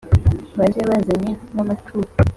Baze bazanye n`amaturo